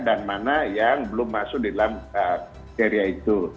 dan mana yang belum masuk di dalam area itu